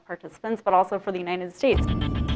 tapi juga untuk negara amerika